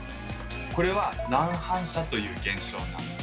これは「乱反射」という現象なんです。